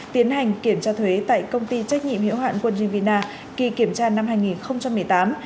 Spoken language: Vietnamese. tiến hành kiểm tra thuế tại công ty trách nhiệm hiệu hạn quân jvina kỳ kiểm tra năm hai nghìn một mươi tám